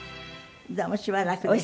どうもしばらくでした。